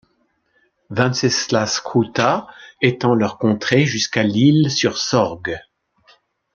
Venceslas Kruta étend leur contrée jusqu'à l'Isle sur Sorgue.